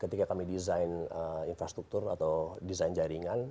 ketika kami desain infrastruktur atau desain jaringan